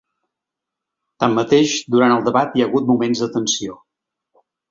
Tanmateix, durant el debat hi ha hagut moments de tensió.